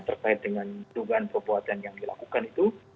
terkait dengan dugaan perbuatan yang dilakukan itu